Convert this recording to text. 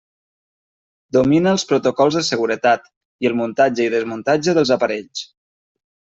Domina els protocols de seguretat, i el muntatge i desmuntatge dels aparells.